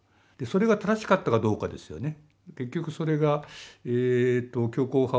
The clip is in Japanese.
それが正しかったかどうかですよね。